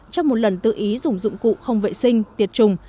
trong một lần tự ý dùng dụng cụ không vệ sinh tiệt trùng